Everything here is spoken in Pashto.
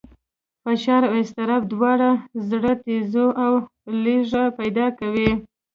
فشار او اضطراب دواړه زړه تېزوي او لړزه پیدا کوي.